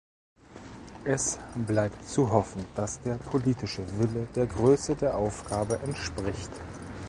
Es bleibt zu hoffen, dass der politische Wille der Größe der Aufgabe entspricht.